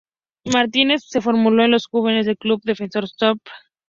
Martínez se formó en la juveniles del club Defensor Sporting.